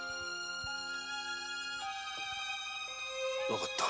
わかった。